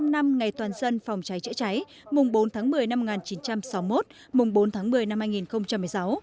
bảy mươi năm năm ngày toàn dân phòng cháy chữa cháy mùng bốn tháng một mươi năm một nghìn chín trăm sáu mươi một mùng bốn tháng một mươi năm hai nghìn một mươi sáu